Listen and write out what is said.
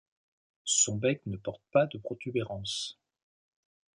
Son bec ne porte pas de protubérance.